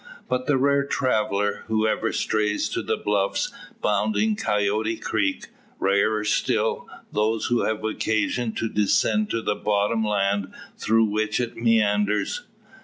But rare the traveller, who ever strays to the bluffs bounding Coyote Creek: rarer still, those who have occasion to descend to the bottom land through which it meanders.